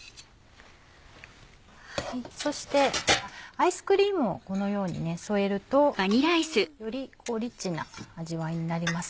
そしてアイスクリームをこのように添えるとよりリッチな味わいになります。